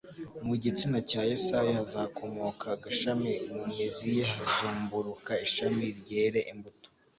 Mu gitsina cya Yesayi hazakomoka agashami, mu mizi ye hazumburuka ishami ryere imbuto